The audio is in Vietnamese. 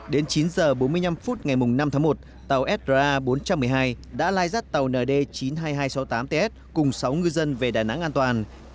đến chín h bốn mươi năm phút ngày năm tháng một tàu sara bốn trăm một mươi hai đã lai rắt tàu nd chín mươi hai nghìn hai trăm sáu mươi tám ts cùng sáu ngư dân về đà nẵng an toàn